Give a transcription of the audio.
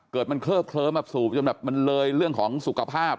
เกิดมันเคลือบสูบจนมันเลยเรื่องของสุขภาพ